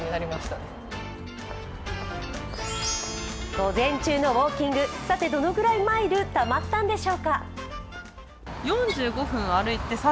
午前中のウオーキング、どのくらいマイル、たまったんでしょうか。